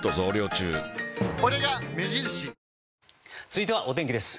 続いてはお天気です。